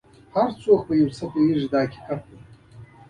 هر څوک په یو څه پوهېږي دا حقیقت دی.